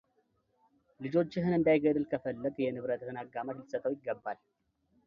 ልጆችህን እንዳይገድል ከፈለግህ የንብረትህን አጋማሽ ልትሰጠው ይገባል።